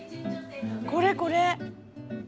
これこれ。